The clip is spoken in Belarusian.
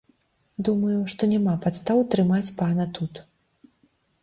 Думаю, што няма падстаў трымаць пана тут.